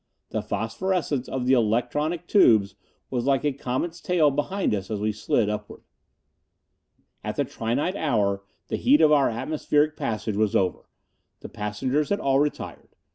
The phosphorescence of the electronic tubes was like a comet's tail behind us as we slid upward. At the trinight hour the heat of our atmospheric passage was over. The passengers had all retired.